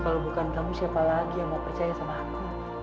kalau bukan kamu siapa lagi yang mau percaya sama aku